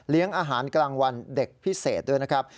อาหารกลางวันเด็กพิเศษด้วยนะครับ